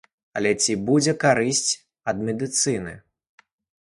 Але ці будзе карысць для медыцыны?